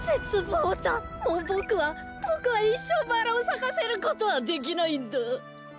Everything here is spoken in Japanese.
もうボクはボクはいっしょうバラをさかせることはできないんだ！